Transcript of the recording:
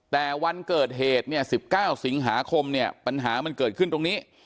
แต่วันเกิดเหตุ๑๙สิงหาคมปัญหามันเกิดขึ้นตรงนี้